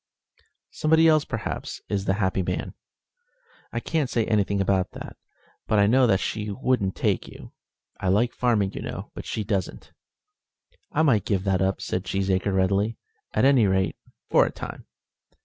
"Somebody else, perhaps, is the happy man?" "I can't say anything about that, but I know that she wouldn't take you. I like farming, you know, but she doesn't." "I might give that up," said Cheesacre readily, "at any rate, for a time."